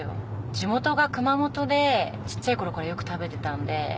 地元が熊本でちっちゃい頃からよく食べてたんで。